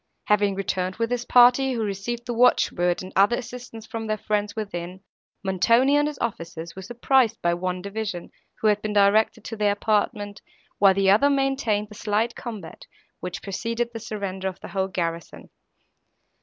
Having returned with his party, who received the watch word and other assistance from their friends within, Montoni and his officers were surprised by one division, who had been directed to their apartment, while the other maintained the slight combat, which preceded the surrender of the whole garrison.